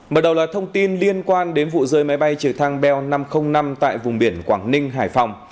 mở đầu là thông tin liên quan đến vụ rơi máy bay trực thăng bell năm trăm linh năm tại vùng biển quảng ninh hải phòng